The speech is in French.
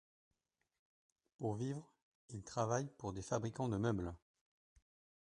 Pour vivre, il travaille pour des fabricants de meubles.